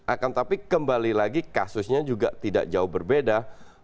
akan tapi kembali lagi kasusnya juga tidak jauh berbeda